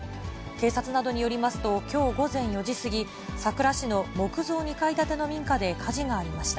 警察などによりますと、きょう午前４時過ぎ、佐倉市の木造２階建ての民家で火事がありました。